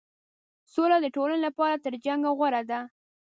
سوله د ټولنې لپاره تر جنګ غوره ده.